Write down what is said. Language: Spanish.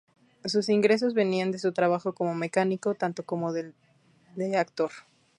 Sus ingresos venían de su trabajo como mecánico, tanto como del de actor.